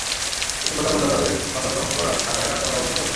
কিন্তু কোথাও কোথাও তাদের কাজ অসমাপ্ত থাকায় রাস্তা মেরামত সম্ভব হচ্ছে না।